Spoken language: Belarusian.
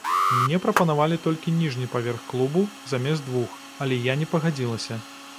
Мне прапанавалі толькі ніжні паверх клубу, замест двух, але я не пагадзілася.